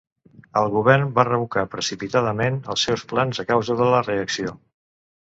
El govern va revocar precipitadament els seus plans a causa de la reacció.